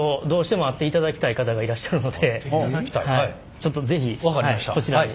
ちょっと是非こちらにどうぞ。